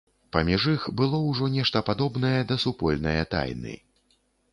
Паміж іх было ўжо нешта падобнае да супольнае тайны.